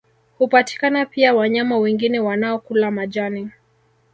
Hupatikana pia wanyama wengine wanaokula majani